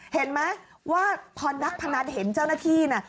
เห็นไหมว่าพอนักพนันเห็นเจ้าหน้าที่นะ